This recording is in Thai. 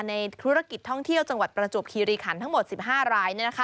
ในธุรกิจท่องเที่ยวจังหวัดประจวบคีรีขันทั้งหมด๑๕ราย